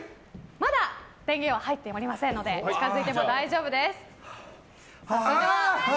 まだ電源は入っておりませんので近づいても大丈夫です。